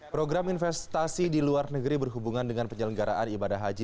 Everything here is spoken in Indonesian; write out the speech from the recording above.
program investasi di luar negeri berhubungan dengan penyelenggaraan ibadah haji